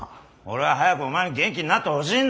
俺は早くお前に元気になってほしいんだ。